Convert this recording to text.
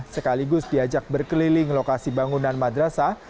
sekaligus diajak berkeliling lokasi bangunan madrasah